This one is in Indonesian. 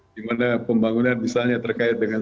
di mana pembangunan misalnya terkait dengan